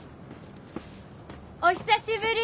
お久しぶり！